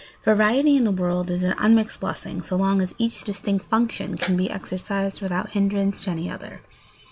] Variety in the world is an unmixed blessing so long as each distinct function can be exercised without hindrance to any other.